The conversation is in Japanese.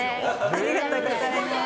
ありがとうございます。